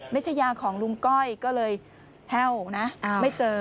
ไม่ใช่ยาของลุงก้อยก็เลยแห้วนะไม่เจอ